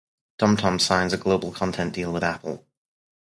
TomTom signs a global content deal with Apple.